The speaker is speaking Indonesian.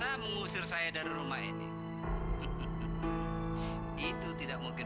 apa yang kamu lakukan